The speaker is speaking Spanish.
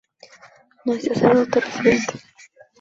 No hay sacerdote residente.